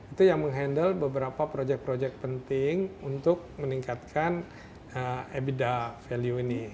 itu yang menghandle beberapa projek project penting untuk meningkatkan ebidah value ini